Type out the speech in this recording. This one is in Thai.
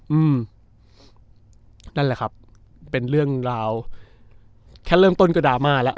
อืมนั่นแหละครับเป็นเรื่องราวแค่เริ่มต้นก็ดราม่าแล้ว